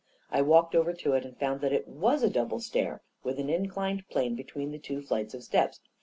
I walked over to it and found that it was a double stair, with an inclined plane be tween the two flights of steps.